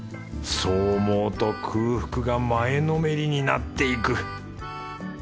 そう思うと空腹が前のめりになっていく！